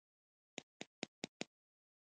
هغې سترګې ټيټې کړې.